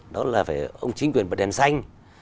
đó là phải ông chính quyền bật đèn xanh